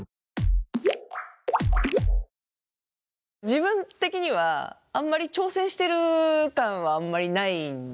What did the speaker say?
自分的にはあんまり挑戦してる感はないんですよね。